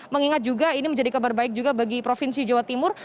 mengingat juga ini menjadi kabar baik juga bagi provinsi jawa timur